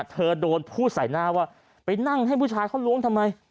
เธอโดนพูดใส่หน้าว่าไปนั่งให้ผู้ชายเขาล้วงทำไม